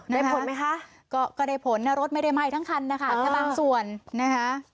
ได้ผลไหมคะก็ได้ผลนะรถไม่ได้ไหม้ทั้งคันนะคะแค่บางส่วนนะคะ